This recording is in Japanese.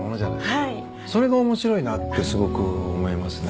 それが面白いなってすごく思いますね。